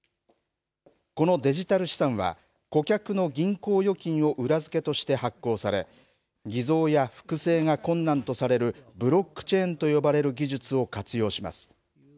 このデジタル資産は顧客の銀行預金を裏付けとして発行され偽造や複製が困難とされるブロックチェーンと呼ばれる技術を活用します。